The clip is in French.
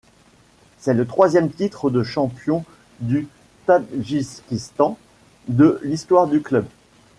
C'est le troisième titre de champion du Tadjikistan de l'histoire du club.